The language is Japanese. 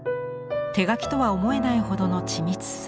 手書きとは思えないほどの緻密さ。